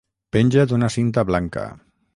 Penja d'una cinta blanca.